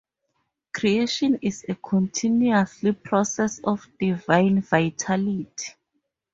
Creation is a continuous process of Divine vitality.